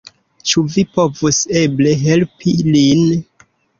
Ĉu vi povus eble helpi lin?